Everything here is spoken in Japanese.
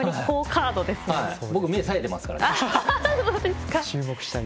僕、目がさえてますから。